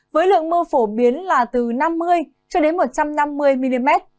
với lượng mưa phổ biến là từ năm mươi cho đến một trăm năm mươi mm